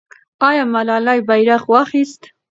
آیا ملالۍ بیرغ واخیست؟